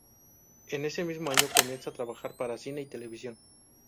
En ese mismo año comienza a trabajar para cine y televisión.